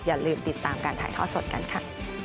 อย่าลืมติดตามการถ่ายทอดสดกันค่ะ